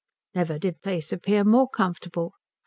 Never did place appear more comfortable.